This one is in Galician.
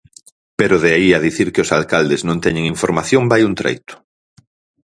Pero de aí a dicir que os alcaldes non teñen información vai un treito.